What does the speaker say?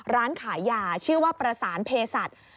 ร้านขายยาชื่อว่าประสานเพศัตริย์